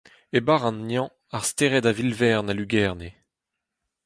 E barr an neñv ar stered a-vil-vern a lugerne.